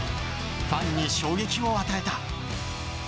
ファンに衝撃を与えた。